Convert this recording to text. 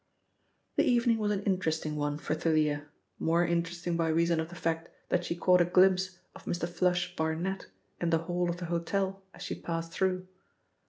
The evening was an interesting one for Thalia, more interesting by reason of the fact that she caught a glimpse of Mr. 'Flush' Barnet in the hall of the hotel as she passed through.